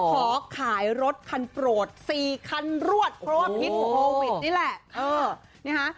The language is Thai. ขอขายรถคันโปรด๔คันรวดเพราะว่าพิษโควิดนี่แหละ